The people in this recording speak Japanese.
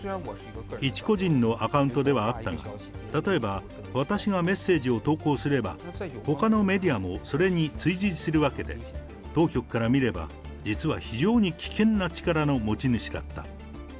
一個人のアカウントではあったが、例えば、私がメッセージを投稿すれば、ほかのメディアもそれに追随するわけで、当局から見れば、実は非常に危険な力の持ち主だった。